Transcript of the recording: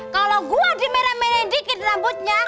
kalo gua di merah merahin dikit rambutnya